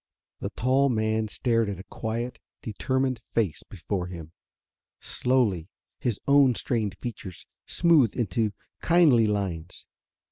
The tall man stared at the quiet, determined face before him. Slowly his own strained features smoothed into kindly lines.